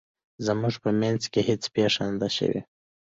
زموږ په مینځ کې هیڅ پیښه نه ده شوې